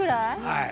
はい。